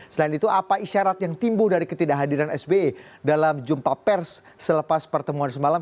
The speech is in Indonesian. selain itu apa isyarat yang timbul dari ketidakhadiran sbe dalam jumpa pers selepas pertemuan semalam